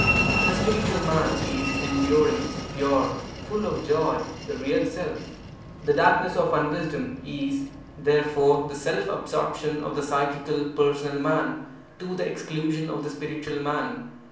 The spiritual man is enduring, pure, full of joy, the real Self. The darkness of unwisdom is, therefore, the self absorption of the psychical, personal man, to the exclusion of the spiritual man.